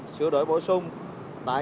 sửa đổi bổ sung tại